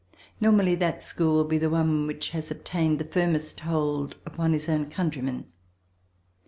Normally, that school will be the one which has obtained the firmest hold upon his own countrymen.